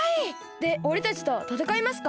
でおれたちとたたかいますか？